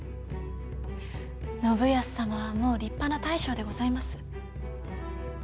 信康様はもう立派な大将でございます。